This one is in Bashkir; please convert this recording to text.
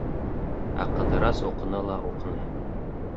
Ә Ҡыҙырас уҡыны ла уҡыны.